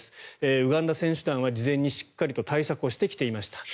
ウガンダ選手団は事前にしっかりと対策をしてきていました。